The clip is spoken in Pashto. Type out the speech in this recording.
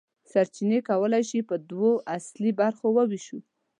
سرچینې کولی شو په دوه اصلي برخو وویشو.